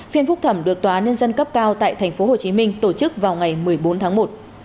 phiên phúc thẩm được tòa án nhân dân cấp cao tại tp hcm tổ chức vào ngày một mươi bốn tháng một